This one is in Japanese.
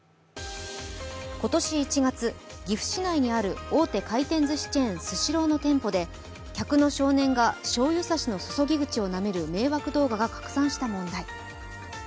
今年１月、岐阜市内にある大手回転ずしチェーンスシローの店舗で客の少年がしょうゆ差しの注ぎ口をなめる迷惑動画が拡散した問題。